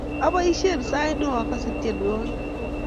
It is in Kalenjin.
Abaishe sait neo agase tyenwogik